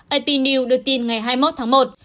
ap news được tin ngày hai mươi một tháng một